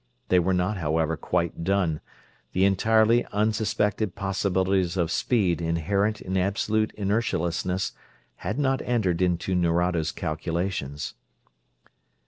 They were not, however, quite done; the entirely unsuspected possibilities of speed inherent in absolute inertialessness had not entered into Nerado's calculations.